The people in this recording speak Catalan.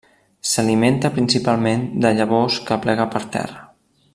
S'alimenta principalment de llavors que plega per terra.